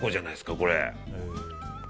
これ。